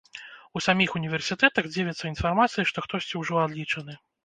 У саміх універсітэтах дзівяцца інфармацыі, што хтосьці ўжо адлічаны.